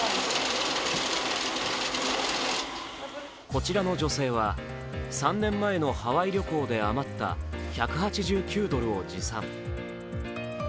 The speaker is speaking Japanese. こちらの女性は３年前のハワイ旅行で余った１８９ドルを持参。